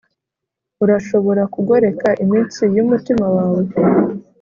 urashobora kugoreka imitsi yumutima wawe?